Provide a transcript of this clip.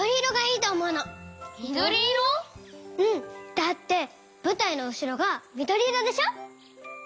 だってぶたいのうしろがみどりいろでしょ。